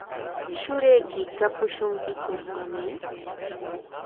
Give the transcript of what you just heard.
¿Shurayki kapushunkiku, mamay?